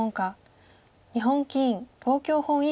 日本棋院東京本院所属。